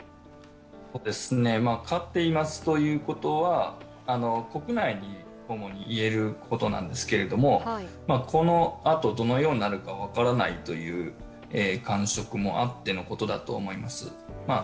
勝っていますということは国内に主に言えることなんですけど、このあとどのようになるかは分からないという感触もあってのことだと思います。